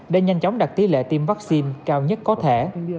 để nhanh chóng đặt tỷ lệ tiêm vaccine cao nhất có thể